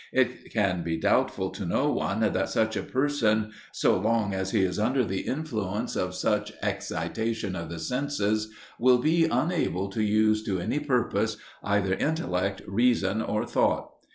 It can be doubtful to no one that such a person, so long as he is under the influence of such excitation of the senses, will be unable to use to any purpose either intellect, reason, or thought.